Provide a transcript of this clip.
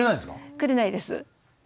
くれないです。